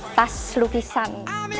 dan kita bisa membuat lukisan